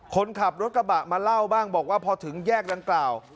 คนขับรถกระบะมาเล่าบ้างบอกว่าพอถึงแยกดังกล่าว